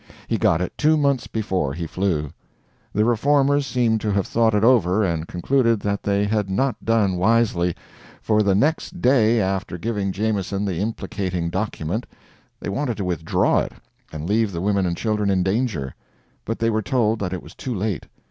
He got it two months before he flew. The Reformers seem to have thought it over and concluded that they had not done wisely; for the next day after giving Jameson the implicating document they wanted to withdraw it and leave the women and children in danger; but they were told that it was too late.